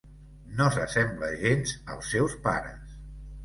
No s'assembla gens als seus pares.